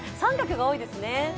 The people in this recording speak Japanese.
△が多いですね。